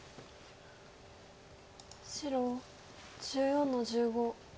白１４の十五。